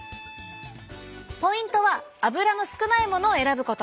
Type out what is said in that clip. ポイントは油の少ないものを選ぶこと。